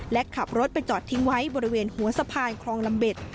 และขับรถไปจอดทิ้งไว้บริเวณหัวสะพานคลองลำเบ็ด